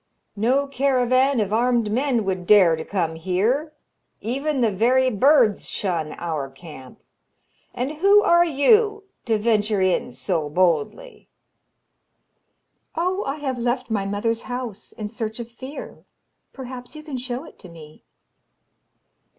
'No caravan of armed men would dare to come here, even the very birds shun our camp, and who are you to venture in so boldly?' 'Oh, I have left my mother's house in search of fear. Perhaps you can show it to me?'